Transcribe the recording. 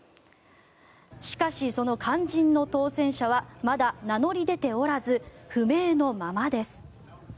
しかし、その肝心の当選者はまだ名乗り出ておらず不明のままです。